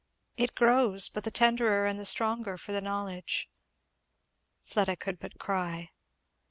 it grows but the tenderer and the stronger for the knowledge." Fleda could but cry.